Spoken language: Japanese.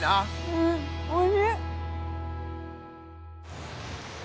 うんおいしい。